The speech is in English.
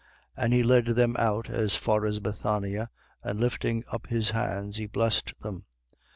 And he led them out as far as Bethania: and lifting up his hands, he blessed them.